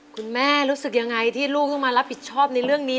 คุณแม่รู้สึกยังไงที่ลูกต้องมารับผิดชอบในเรื่องนี้